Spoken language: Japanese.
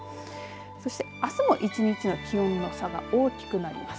そして、あすも１日の気温の差が大きくなります。